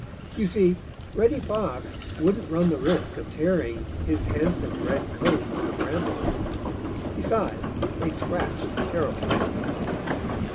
You see, Reddy Fox wouldn't run the risk of tearing his handsome red coat on the brambles. Besides, they scratched terribly.